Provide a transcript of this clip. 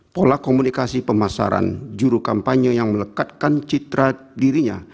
pola komunikasi pemasaran juru kampanye yang melekatkan citra dirinya